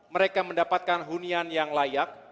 mereka mendapatkan hunian yang layak